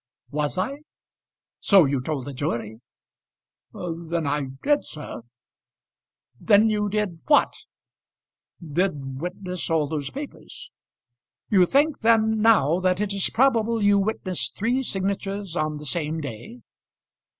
"Was I?" "So you told the jury." "Then I did, sir." "Then you did what?" "Did witness all those papers." "You think then now that it is probable you witnessed three signatures on the same day?"